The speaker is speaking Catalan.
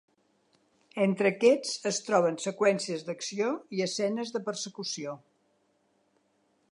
Entre aquests es trobaven seqüències d'acció i escenes de persecució.